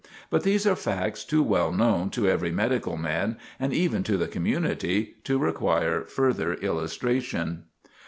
But these are facts too well known to every medical man, and even to the community, to require further illustration.